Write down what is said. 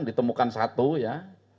ditemukan satu ya